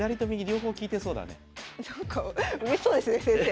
なんかうれしそうですね先生。